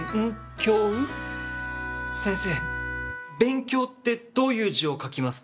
先生「べんきょう」ってどういう字を書きますか？